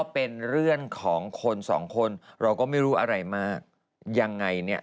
เป็นเรื่องของคนสองคนเราก็ไม่รู้อะไรมากยังไงเนี่ย